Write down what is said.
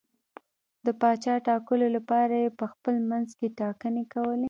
د پاچا ټاکلو لپاره یې په خپل منځ کې ټاکنې کولې.